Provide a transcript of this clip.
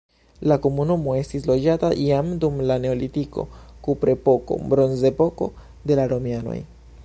La komunumo estis loĝata jam dum la neolitiko, kuprepoko, bronzepoko, de la romianoj.